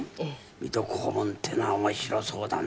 「『水戸黄門』っていうのは面白そうだな」